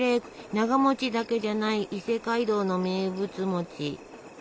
ながだけじゃない伊勢街道の名物。